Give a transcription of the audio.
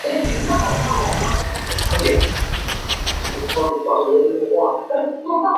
奥克兰大学是位于美国密歇根州奥克兰县奥本山和罗切斯特山的一所公立研究型大学。